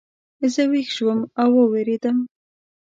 زه ویښ شوم او ووېرېدم.